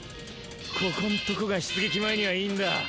ここんとこが出撃前にはいいんだ。